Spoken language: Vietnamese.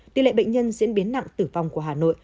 tỷ lệ bệnh nhân diễn biến nặng tử vong của hà nội